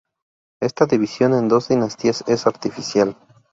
Esta división en dos "dinastías" es artificial.